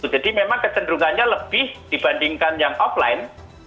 jadi memang kecenderungannya lebih dibandingkan yang offline